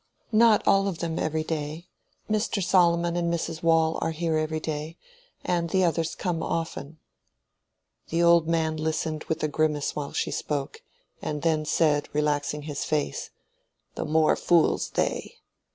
"Not all of them every day. Mr. Solomon and Mrs. Waule are here every day, and the others come often." The old man listened with a grimace while she spoke, and then said, relaxing his face, "The more fools they.